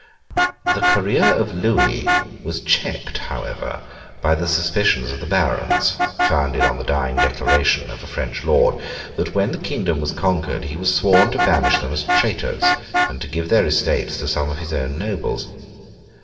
The career of Louis was checked however, by the suspicions of the Barons, founded on the dying declaration of a French Lord, that when the kingdom was conquered he was sworn to banish them as traitors, and to give their estates to some of his own Nobles.